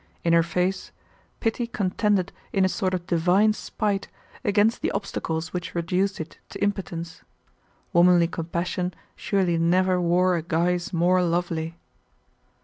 In her face, pity contended in a sort of divine spite against the obstacles which reduced it to impotence. Womanly compassion surely never wore a guise more lovely.